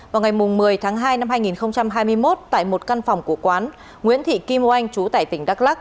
vào ngày một mươi tháng hai năm hai nghìn hai mươi một tại một căn phòng của quán nguyễn thị kim oanh chú tại tỉnh đắk lắc